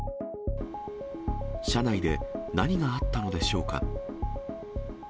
車内で何があったのでしょうか。